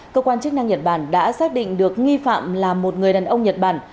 cơ quan chức năng nhật bản đã xác định được nghi phạm là một người đàn ông nhật bản